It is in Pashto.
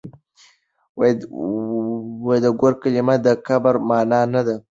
د ګور کلمه د کبر مانا نه ده.